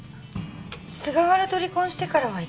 菅原と離婚してからは一度も。